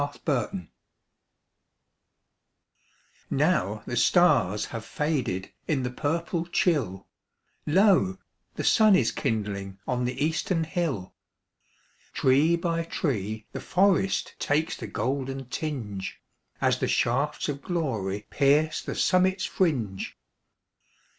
At Sunrise Now the stars have faded In the purple chill, Lo, the sun is kindling On the eastern hill. Tree by tree the forest Takes the golden tinge, As the shafts of glory Pierce the summit's fringe.